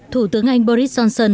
thủ tướng anh boris johnson